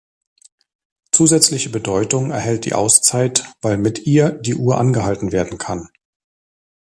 Zusätzliche Bedeutung erhält die Auszeit, weil mit ihr die Uhr angehalten werden kann.